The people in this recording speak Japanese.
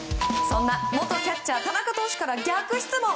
そんな元キャッチャー田中投手から逆質問。